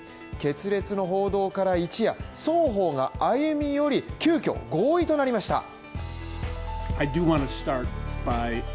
決裂の報道から一夜、双方が歩み寄り急きょ、合意となりました。